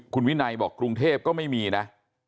คุณวินัยบอกกรุงเทพก็ไม่มีนะ